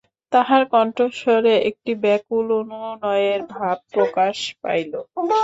তাহার কণ্ঠস্বরে একটা ব্যাকুল অনুনয়ের ভাব প্রকাশ পাইল।